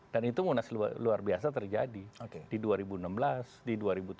itu munas luar biasa terjadi di dua ribu enam belas di dua ribu tujuh belas